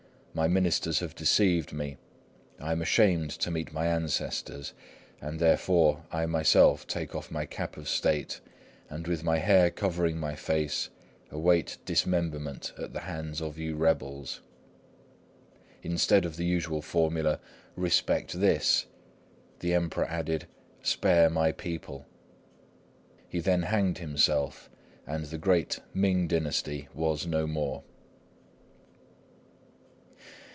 My ministers have deceived me. I am ashamed to meet my ancestors; and therefore I myself take off my cap of State, and with my hair covering my face, await dismemberment at the hands of you rebels." Instead of the usual formula, "Respect this!" the Emperor added, "Spare my people!" He then hanged himself, and the great Ming dynasty was no more.